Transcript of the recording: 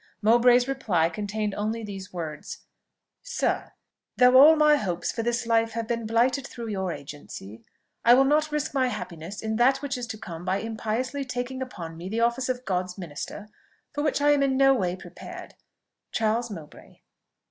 Mowbray's reply contained only these words: "Sir, "Though all my hopes for this life have been blighted through your agency, I will not risk my happiness in that which is to come by impiously taking upon me the office of God's minister, for which I am in no way prepared. "CHARLES MOWBRAY."